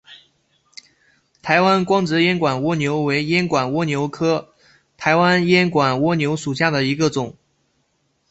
台湾光泽烟管蜗牛为烟管蜗牛科台湾烟管蜗牛属下的一个种。